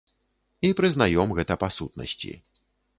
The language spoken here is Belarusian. І прызнаём гэта па сутнасці.